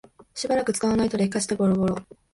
しばらく使わないと劣化してボロボロ